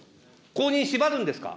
後任縛るんですか。